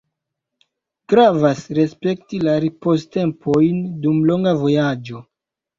Gravas respekti la ripoztempojn dum longa vojaĝo.